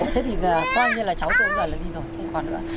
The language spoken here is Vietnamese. thế thì coi như là cháu tôi bây giờ là đi rồi không còn nữa